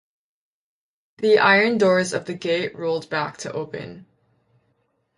The iron doors of the Gate rolled back to open.